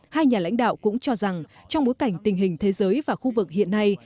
hai nhà lãnh đạo cũng cho rằng trong bối cảnh tình hình thế giới và khu vực hiện nay